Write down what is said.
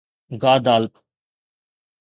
گادالپ